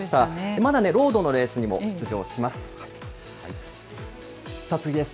まだね、ロードのレースにも出場します。